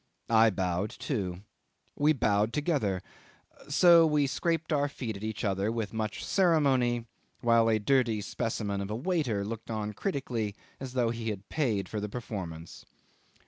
I bowed too. We bowed together: we scraped our feet at each other with much ceremony, while a dirty specimen of a waiter looked on critically, as though he had paid for the performance.